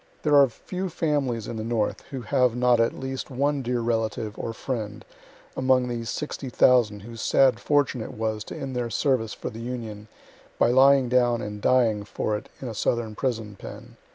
There are few families in the North who have not at least one dear relative or friend among these 60,000 whose sad fortune it was to end their service for the Union by lying down and dying for it in a southern prison pen.